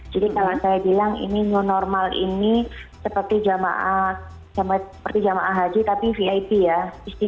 jadi kalau saya bilang ini normal ini seperti jemaah haji tapi vip ya istimewa dan spesial gitu